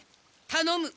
たのむ。